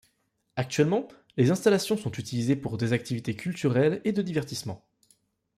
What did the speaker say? Actuellement, les installations sont utilisés pour des activités culturelles et de divertissement.